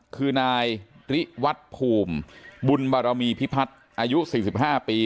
คือนายฤีหวัฒบ์ภูมิบุญบรมีพิพัฒน์อายุสิบห้าปี